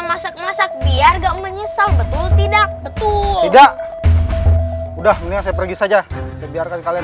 masak masak biar enggak menyesal betul tidak betul tidak udah mendingan saya pergi saja biarkan kalian